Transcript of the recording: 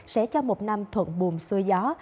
sẽ cho một năm thuận buồn xuôi gió